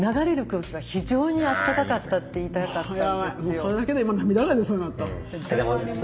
もうそれだけで今涙が出そうになった。